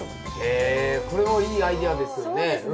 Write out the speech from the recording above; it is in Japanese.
へえこれもいいアイデアですよね。